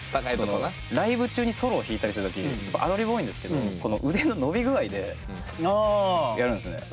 ライブ中にソロを弾いたりする時アドリブ多いんですけどこの腕の伸び具合でやるんですよね。